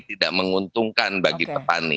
tidak menguntungkan bagi petani